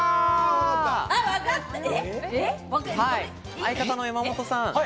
相方の山本さん。